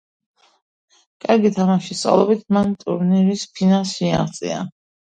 კარგი თამაშის წყალობით, მან ტურნირის ფინალს მიაღწია.